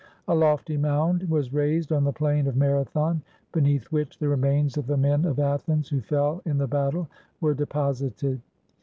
A lofty mound was raised on the plain of Marathon, beneath which the remains of the men of Athens who fell in the battle were deposited.